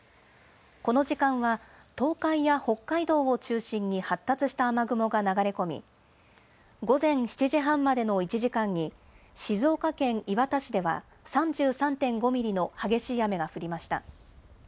この時間は東海や北海道を中心に発達した雨雲が流れ込み、午前７時半までの１時間に、静岡県磐田市では３３．５ミリの激しい雨が降りました。